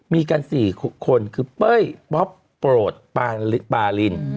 มีกัน๔คนคือเป้ยป๊อปโปรดปาริน